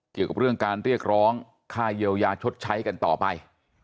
เกี่ยวกับเรื่องการเรียกร้องค่าเยียวยาชดใช้กันต่อไป